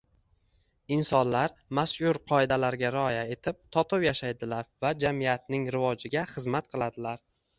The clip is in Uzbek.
insonlar mazkur qoidalarga rioya etib totuv yashaydilar va jamiyatning rivojiga xizmat qiladilar.